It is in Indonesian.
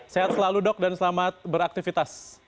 sehat selalu dok dan selamat beraktivitas